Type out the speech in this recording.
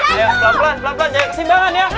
pelan pelan pelan pelan jangan kesimbangan ya